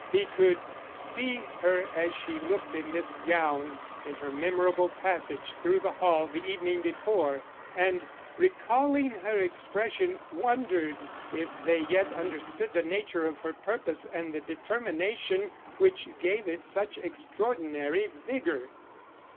He could see her as she looked in this gown in her memorable passage through the hall the evening before, and, recalling her expression, wondered if they yet understood the nature of her purpose and the determination which gave it such extraordinary vigor.